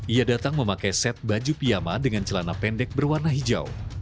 ia datang memakai set baju piyama dengan celana pendek berwarna hijau